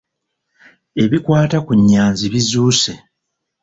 Ebikwata ku Nyanzi bizuuse.